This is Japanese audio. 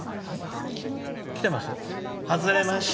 来てます？